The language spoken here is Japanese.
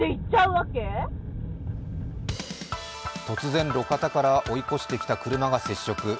突然路肩から追い越してきた車が接触。